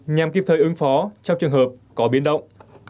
nhằm kịp thời ứng phó trong trường hợp có biến động